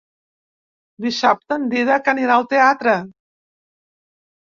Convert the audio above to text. Dissabte en Dídac anirà al teatre.